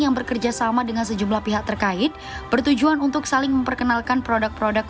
yang bekerja sama dengan sejumlah pihak terkait bertujuan untuk saling memperkenalkan produk produk